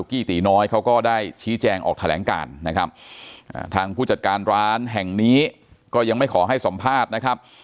กี้ตีน้อยเขาก็ได้ชี้แจงออกแถลงการนะครับทางผู้จัดการร้านแห่งนี้ก็ยังไม่ขอให้สัมภาษณ์นะครับ